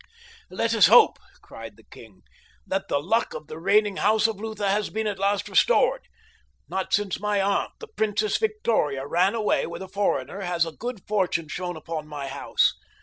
"Let us hope," cried the king, "that the luck of the reigning house of Lutha has been at last restored. Not since my aunt, the Princess Victoria, ran away with a foreigner has good fortune shone upon my house.